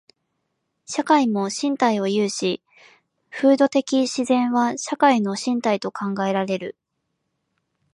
社会も身体を有し、風土的自然は社会の身体と考えられる。